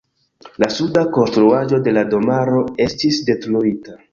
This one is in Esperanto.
La suda konstruaĵo de la domaro estis detruita.